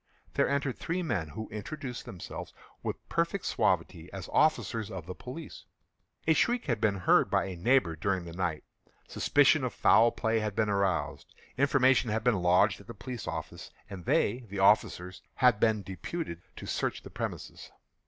There entered three men, who introduced themselves, with perfect suavity, as officers of the police. A shriek had been heard by a neighbour during the night; suspicion of foul play had been aroused; information had been lodged at the police office, and they (the officers) had been deputed to search the premises.